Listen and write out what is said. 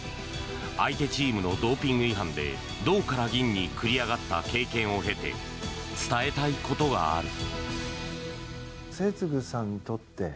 相手チームのドーピング違反で銅から銀に繰り上がった経験を経て伝えたいことがある。